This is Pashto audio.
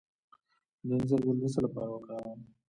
د انځر ګل د څه لپاره وکاروم؟